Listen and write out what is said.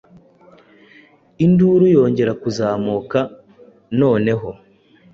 Induru yongeye kuzamuka noneho